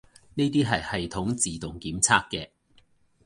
呢啲係系統自動檢測嘅